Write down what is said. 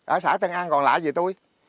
ở xã tân an còn lạ gì tôi